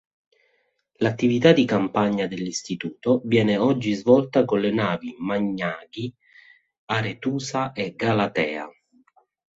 L'attività di campagna dell'Istituto viene oggi svolta con le navi "Magnaghi", "Aretusa", e "Galatea'.